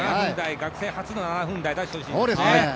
学生初の７分台を出してほしいですね。